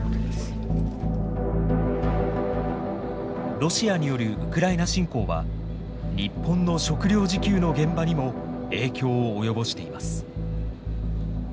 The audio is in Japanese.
ロシアによるウクライナ侵攻は日本の食料自給の現場にも影響を及ぼしています。